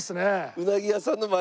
うなぎ屋さんの前で。